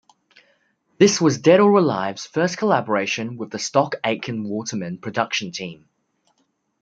This was Dead or Alive's first collaboration with the Stock Aitken Waterman production team.